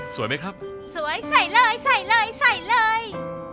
สวยใส่เลยใส่เลยใส่เลย